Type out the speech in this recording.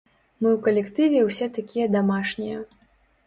Мы ў калектыве ўсе такія дамашнія.